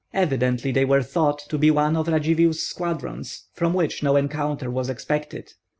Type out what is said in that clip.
Evidently they were thought to be one of Radzivill's squadrons, from which no encounter was expected.